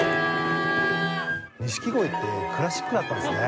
錦鯉ってクラシックだったんですね。